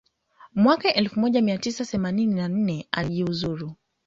mwaka elfu moja mia tisa themanini na nne alijiuzulu